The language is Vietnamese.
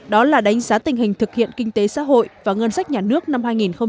đó là đánh giá tình hình thực hiện kinh tế xã hội và ngân sách nhà nước năm hai nghìn một mươi tám